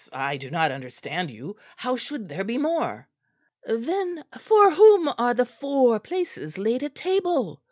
I do not understand you. How should there be more?" "Then for whom are the four places laid at table?"